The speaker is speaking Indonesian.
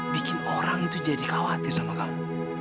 bikin orang itu jadi khawatir sama kamu